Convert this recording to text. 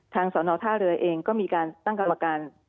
ทางสนทรศาสตร์เรือเองก็มีการตั้งกรรมการ